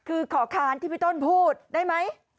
คือขอค้านที่พี่ต้นพูดได้ไหม